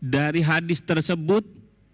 dari hadis tersebut